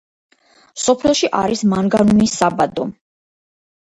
სოფელში არის მანგანუმის საბადო.